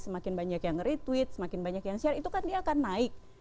semakin banyak yang retweet semakin banyak yang share itu kan dia akan naik